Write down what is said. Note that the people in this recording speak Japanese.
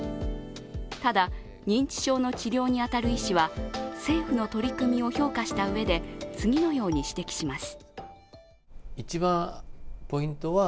ただ、認知症の治療に当たる医師は政府の取り組みを評価したうえで次のように指摘します。